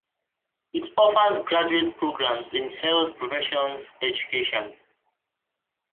It offers graduate programs in Health Professions Education.